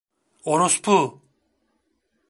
Orospu!